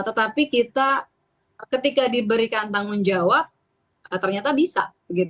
tetapi kita ketika diberikan tanggung jawab ternyata bisa